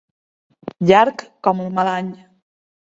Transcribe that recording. Llarg com el mal any.